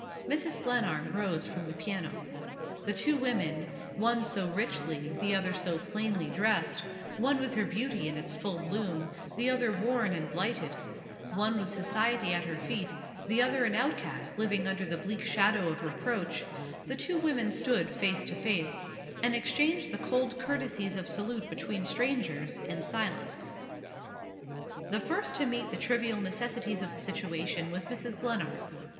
Mrs. Glenarm rose from the piano. The two women one so richly, the other so plainly dressed; one with her beauty in its full bloom, the other worn and blighted; one with society at her feet, the other an outcast living under the bleak shadow of reproach the two women stood face to face, and exchanged the cold courtesies of salute between strangers, in silence. The first to meet the trivial necessities of the situation was Mrs. Glenarm.